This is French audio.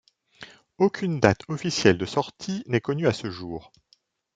Aucune date officielle de sortie n’est connue à ce jour.